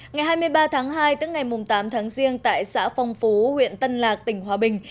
ngày hai mươi ba tháng hai tức ngày tám tháng riêng tại xã phong phú huyện tân lạc tỉnh hòa bình